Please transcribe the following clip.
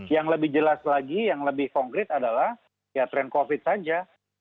yang lebih jelas lagi yang lebih konkret adalah ya tren covid saja